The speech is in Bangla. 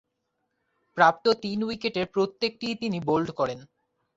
প্রাপ্ত তিন উইকেটের প্রত্যেকটিই বোল্ড করেন।